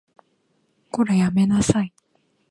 こら、やめなさい